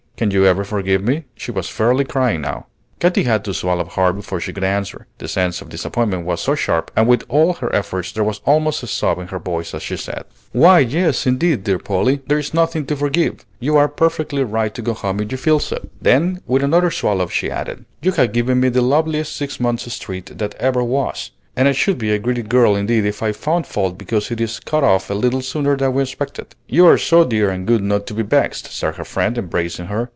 Can you ever forgive me?" She was fairly crying now. Katy had to swallow hard before she could answer, the sense of disappointment was so sharp; and with all her efforts there was almost a sob in her voice as she said, "Why yes, indeed, dear Polly, there is nothing to forgive. You are perfectly right to go home if you feel so." Then with another swallow she added: "You have given me the loveliest six months' treat that ever was, and I should be a greedy girl indeed if I found fault because it is cut off a little sooner than we expected." "You are so dear and good not to be vexed," said her friend, embracing her.